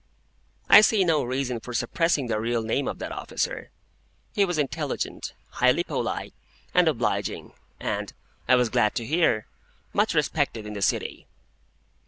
I see no reason for suppressing the real name of that officer. He was intelligent, highly polite, and obliging, and (I was glad to hear) much respected in the City.